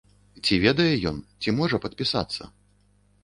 Ці ведае ён, ці можа падпісацца?